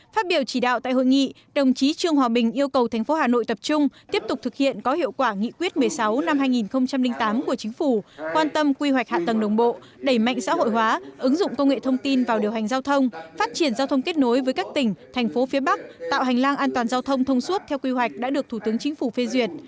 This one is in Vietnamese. phát biểu chỉ đạo tại hội nghị đồng chí trương hòa bình yêu cầu thành phố hà nội tập trung tiếp tục thực hiện có hiệu quả nghị quyết một mươi sáu năm hai nghìn tám của chính phủ quan tâm quy hoạch hạ tầng đồng bộ đẩy mạnh xã hội hóa ứng dụng công nghệ thông tin vào điều hành giao thông phát triển giao thông kết nối với các tỉnh thành phố phía bắc tạo hành lang an toàn giao thông thông suốt theo quy hoạch đã được thủ tướng chính phủ phê duyệt